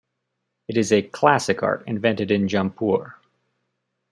It is a classic art invented in Jampur.